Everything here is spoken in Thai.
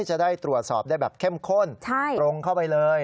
จะได้ตรวจสอบได้แบบเข้มข้นตรงเข้าไปเลย